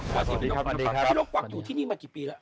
พี่นกวักอยู่ที่นี่มากี่ปีแล้ว